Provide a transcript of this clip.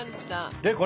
でこれを。